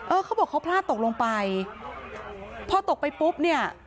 เขาบอกเขาพลาดตกลงไปพอตกไปปุ๊บเนี่ย